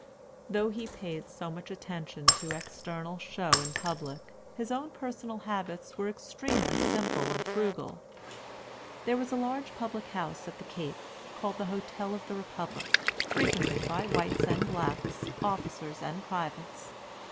Though he paid so much attention to external show in public, his own personal habits were extremely simple and frugal. There was a large public house at the Cape, called The Hotel of the Republic, frequented by whites and blacks, officers and privates.